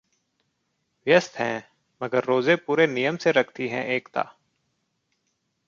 व्यस्त हैं, मगर रोजे पूरी नियम से रखती हैं एकता